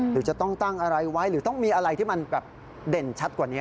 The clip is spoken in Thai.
หรือจะต้องตั้งอะไรไว้หรือต้องมีอะไรที่มันแบบเด่นชัดกว่านี้